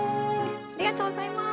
ありがとうございます。